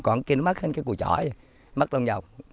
còn kia nó mất hết cái cùi chõi mất đoạn dòng